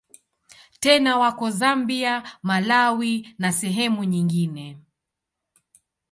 Tena wako Zambia, Malawi na sehemu nyingine.